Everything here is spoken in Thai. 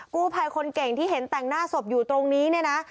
กู้ภัยคนเก่งที่เห็นแต่งหน้าศพอยู่ตรงนี้เนี่ยนะ